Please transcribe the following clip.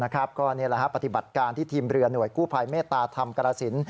ก็นี่แหละฮะปฏิบัติการที่ทีมเรือหน่วยกู้ภัยเมตตาธรรมกรสิน